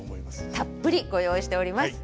たっぷりご用意しております。